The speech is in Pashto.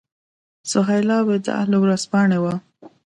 سهیلا وداع له ورځپاڼې وه.